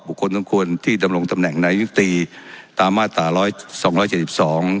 คนสมควรที่ดำรงตำแหน่งนายุตรีตามมาตราร้อยสองร้อยเจ็ดสิบสอง